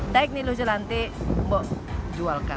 daik di lojalantik mbok jualkan